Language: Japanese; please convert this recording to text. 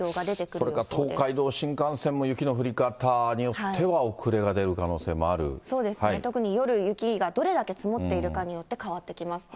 それから東海道新幹線も雪の降り方によっては遅れが出る可能そうですね、特に夜、雪がどれだけ積もっているかによって変わってきますね。